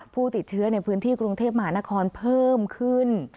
ผู้ติดเชื้อในพื้นที่กรุงเทพมหานครเพิ่มขึ้น